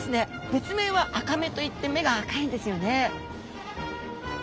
別名はあかめといって目が赤いんですよね。